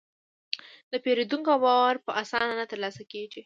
د پیرودونکي باور په اسانه نه ترلاسه کېږي.